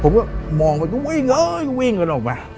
ผมก็มองไปก็วิ่งวิ่งกันออกมา